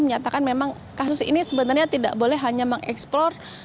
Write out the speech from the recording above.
menyatakan memang kasus ini sebenarnya tidak boleh hanya mengeksplor